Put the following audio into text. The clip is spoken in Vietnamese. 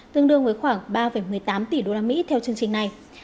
tương đương với khoảng ba một mươi tám tỷ usd theo chương trình này